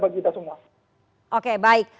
bagi kita semua oke baik